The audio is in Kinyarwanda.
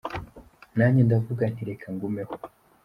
Nanjye ndavuga nti reka ngumeho”.